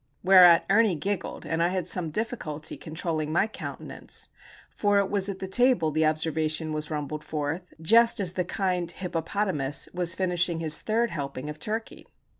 Whereat Ernie giggled, and I had some difficulty controlling my countenance, for it was at the table the observation was rumbled forth, just as the kind "Hippopotamus" was finishing his third helping of turkey.